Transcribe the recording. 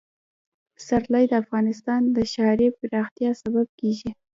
پسرلی د افغانستان د ښاري پراختیا سبب کېږي.